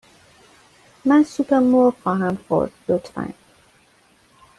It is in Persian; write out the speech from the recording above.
من سوپ مرغ خواهم خورد، لطفاً.